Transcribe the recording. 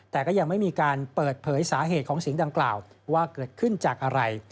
แต่ก็ยังไม่มีการเปิดเผยสาเหตุของเสียงดังกล่าวว่าเกิดขึ้นจากอะไร